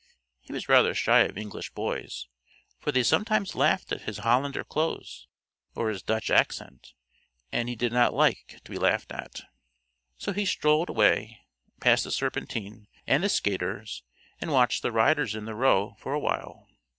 He was rather shy of English boys, for they sometimes laughed at his Hollander clothes or his Dutch accent, and he did not like to be laughed at. So he strolled away, past the Serpentine and the skaters, and watched the riders in the Row for a while.